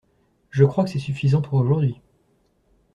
Je crois que c’est suffisant pour aujourd’hui.